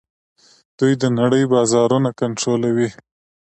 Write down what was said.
دوی د نړۍ بازارونه کنټرولوي.